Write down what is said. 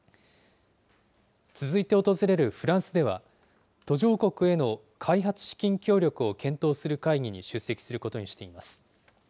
続いて訪れるフランスでは、途上国への開発資金協力を検討する会議に出席することにしています。